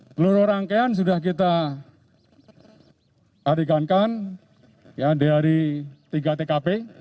peluruh rangkaian sudah kita adekankan ya dari tiga tkp